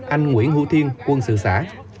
anh nguyễn huu thiên quân sự xã